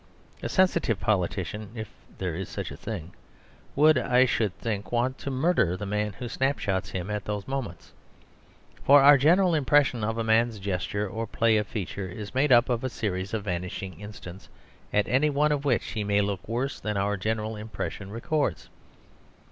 A sensitive politician (if there is such a thing) would, I should think, want to murder the man who snapshots him at those moments. For our general impression of a man's gesture or play of feature is made up of a series of vanishing instants, at any one of which he may look worse than our general impression records.